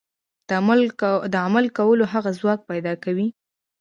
د عمل کولو هغه ځواک پيدا کوي.